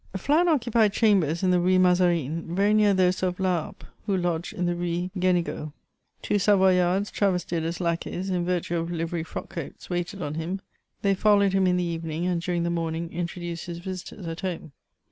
Flins occupied chambers in the Rue Mazarine, very near those of La Harpe, who lodged in the Rue Gu^n^ud. Two Savoyards travestied as lacqueys, in virtue of livery frock coats, waited on him; they followed him in the evening, and during the morning introduced his visitors at home.